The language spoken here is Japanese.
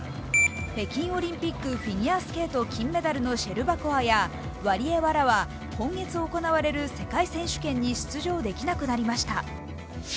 北京オリンピックフィギュアスケート金メダルのシェルバコワやワリエワらは今月行われる世界選手権に出場できなくなりました。